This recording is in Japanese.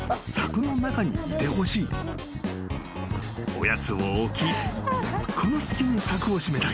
［おやつを置きこの隙に柵を閉めたい］